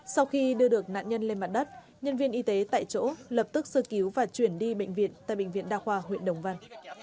sau khi đưa được nạn nhân lên mặt đất nhân viên y tế tại chỗ lập tức sơ cứu và chuyển đi bệnh viện tại bệnh viện đa khoa huyện đồng văn